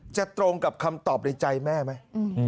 ตรงกับคำตอบในใจแม่ไหม